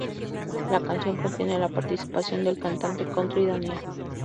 La canción contiene la participación del cantante country Daniel.